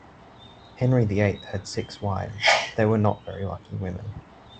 Henry the Eighth had six wives; they were not very lucky women.